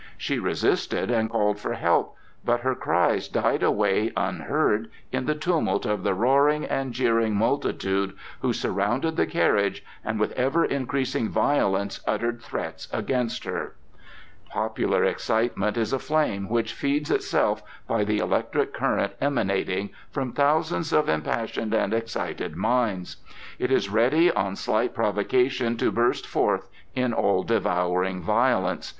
She resisted and called for help, but her cries died away unheard in the tumult of the roaring and jeering multitude who surrounded the carriage and with ever increasing violence uttered threats against her. Popular excitement is a flame which feeds itself by the electric current emanating from thousands of impassioned and excited minds. It is ready on slight provocation to burst forth in all devouring violence.